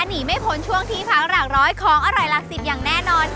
หนีไม่พ้นช่วงที่พักหลักร้อยของอร่อยหลักสิบอย่างแน่นอน